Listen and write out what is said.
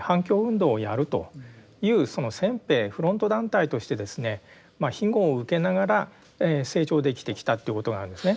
反共運動をやるという先兵フロント団体としてですね庇護を受けながら成長できてきたってことなんですね。